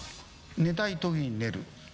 寝たいときに寝る。